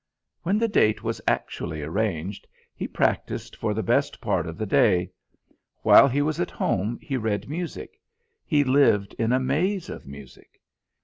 When the date was actually arranged, he practised for the best part of the day. While he was at home he read music; he lived in a maze of music.